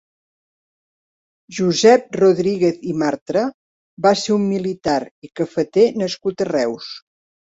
Josep Rodríguez i Martra va ser un militar i cafeter nascut a Reus.